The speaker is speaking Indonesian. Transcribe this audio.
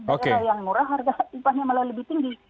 daerah yang murah harganya malah lebih tinggi